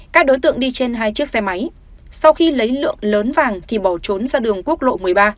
các đối tượng đi trên hai chiếc xe máy sau khi lấy lượng lớn vàng thì bỏ trốn ra đường quốc lộ một mươi ba